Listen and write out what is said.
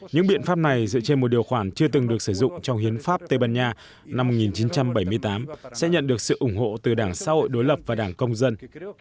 những biện pháp này dựa trên một điều khoản chưa từng được sử dụng trong hiến pháp tây ban nha năm một nghìn chín trăm bảy mươi tám sẽ nhận được sự ủng hộ từ đảng xã hội đối lập và đảng công dân